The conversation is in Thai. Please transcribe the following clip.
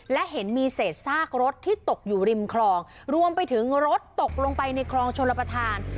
และเห็นมีเศษซากรถที่ตกอยู่ริมคลองรวมไปถึงรถตกลงไปในคลองชลประธาน